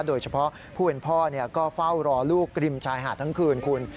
โดยเฉพาะผู้เป็นพ่อก็เฝ้ารอลูกริมชายหาดทั้งคืนคุณ